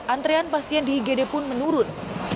antrean pasien di igd pun menurun